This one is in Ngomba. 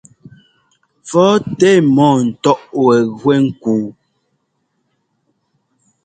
Fɔ̌tɛ mɔ̂ɔntɔ́ʼ wɛ gúɛ́ nkuu.